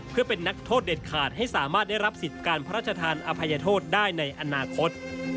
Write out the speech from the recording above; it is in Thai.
เพื่อเป็นนักโทษเด็ดขาดให้สามารถได้รับสิทธิ์การพระราชทานอภัยโทษได้ในอนาคต